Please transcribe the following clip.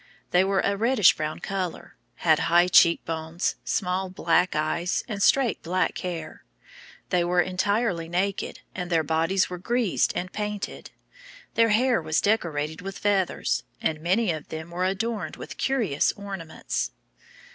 They were of a reddish brown color, and had high cheek bones, small black eyes, and straight black hair. They were entirely naked, and their bodies were greased and painted. Their hair was decorated with feathers, and many of them were adorned with curious ornaments.